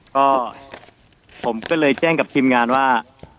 ก็ผมก็เลยแจ้งกับทีมงานว่า